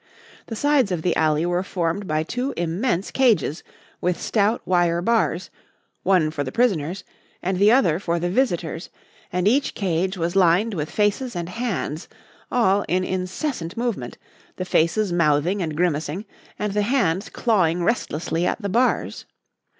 The sides of the alley were formed by two immense cages with stout wire bars, one for the prisoners and the other for the visitors; and each cage was lined with faces and hands, all in incessant movement, the faces mouthing and grimacing, and the hands clawing restlessly at the bars.